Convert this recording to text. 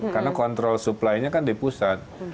karena kontrol supply nya kan di pusat